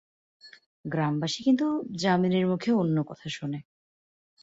গ্রামবাসী কিন্তু যামিনীর মুখে অন্য কথা শোনে।